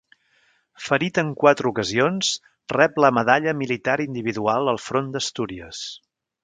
Ferit en quatre ocasions, rep la Medalla Militar Individual al front d'Astúries.